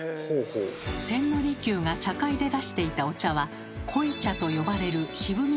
千利休が茶会で出していたお茶は「濃い茶」と呼ばれる渋みが強いもの。